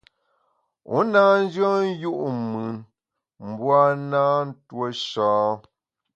U na nyùen yu’ mùn mbu (w) a na ntuo sha.